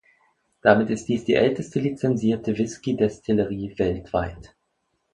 Damit ist dies die älteste lizenzierte Whiskey-Destillerie weltweit.